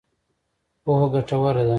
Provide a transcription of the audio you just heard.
پوهه ګټوره ده.